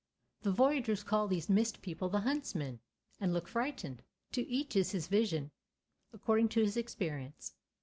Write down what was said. The voyageurs call these mist people the Huntsmen; and look frightened. To each is his vision, according to his experience.